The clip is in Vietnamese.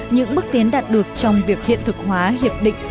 những bước tiến đạt được trong việc hiện thực hóa hiệp định